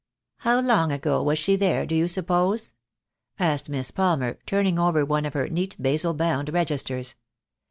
How long ago was she there, do you suppose?" asked Miss Palmer, turning over one of her neat basil bound registers.